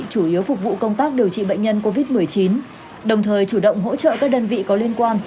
chủ yếu phục vụ công tác điều trị bệnh nhân covid một mươi chín đồng thời chủ động hỗ trợ các đơn vị có liên quan